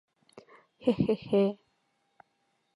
Хе-хе-хе!..